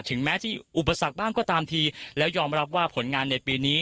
แม้ที่อุปสรรคบ้างก็ตามทีแล้วยอมรับว่าผลงานในปีนี้